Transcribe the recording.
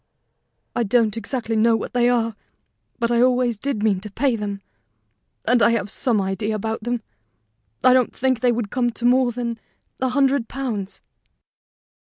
"I don't exactly know what they are; but I always did mean to pay them, and I have some idea about them. I don't think they would come to more than a hundred pounds."